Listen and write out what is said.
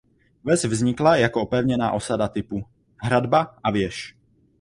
Ves vznikla jako opevněná osada typu „hradba a věž“.